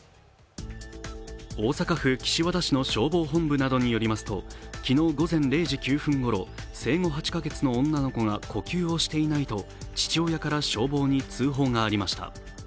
大阪府岸和田市の消防本部などによりますと、昨日午前０時９分ごろ、生後８か月の女の子が呼吸をしていないと父親から消防に通報がありました。